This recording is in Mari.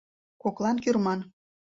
Коклан кӱрман.